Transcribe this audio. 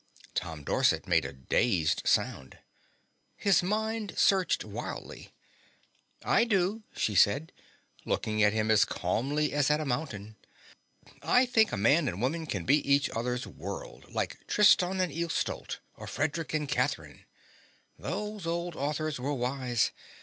Tom Dorset made a dazed sound. His mind searched wildly. "I do," she said, looking at him as calmly as at a mountain. "I think a man and woman can be each other's world, like Tristan and Isolde or Frederic and Catherine. Those old authors were wise.